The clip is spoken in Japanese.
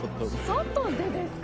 外でですか？